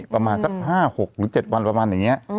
ประมาณสัก๕๖หรือ๗วันประมาณอย่างนี้